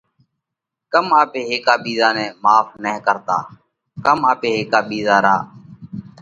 ڪم آپي هيڪا ٻِيزا نئہ ماڦ نه ڪرتا؟ ڪم آپي هيڪا ٻِيزا را